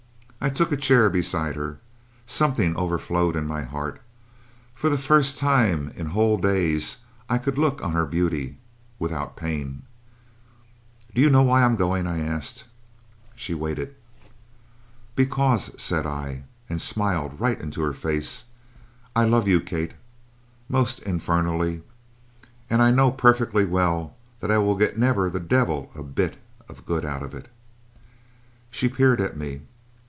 I took a chair beside her. Something overflowed in my heart. For the first time in whole days I could look on her beauty without pain. "'Do you know why I'm going?' I asked. "She waited. "'Because,' said I, and smiled right into her face, 'I love you, Kate, most infernally; and I know perfectly well that I will get never the devil a bit of good out of it.' "She peered at me.